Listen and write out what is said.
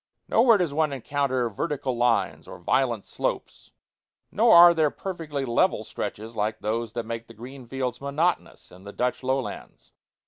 Nowhere does one encounter vertical lines or violent slopes; nor are there perfectly level stretches like those that make the green fields monotonous in the Dutch lowlands.